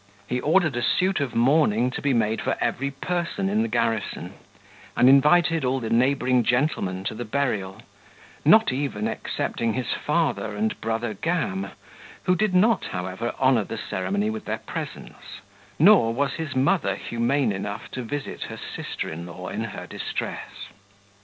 He ordered a suit of mourning to be made for every person in the garrison, and invited all the neighbouring gentlemen to the burial, not even excepting his father and brother Gam, who did not, however, honour the ceremony with their presence; nor was his mother humane enough to visit her sister in law in her distress.